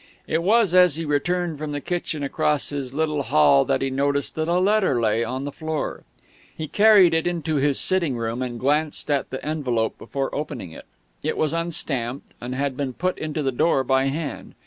It was as he returned from the kitchen across his little hall that he noticed that a letter lay on the floor. He carried it into his sitting room, and glanced at the envelope before opening it. It was unstamped, and had been put into the door by hand.